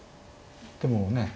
でもねえ